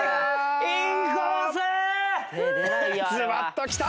ズバッときた！